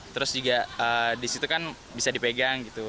terus juga disitu kan bisa dipegang gitu